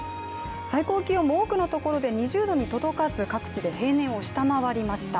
最高気温も多くのところで２０度に届かず各地で平年を下回りました。